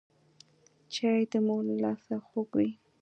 چای د مور له لاسه خوږ وي